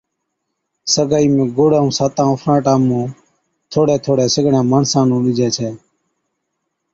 سگائِي ۾ گُڙ ائُون ساتان اُڦراٽان مُون ٿوڙھي ٿوڙھي سِگڙان ماڻسان نُون ڏِجي ڇَي